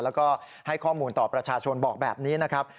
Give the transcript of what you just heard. แล้วก็ให้ข้อมูลต่อประชาชนบอกแบบนี้นะครับ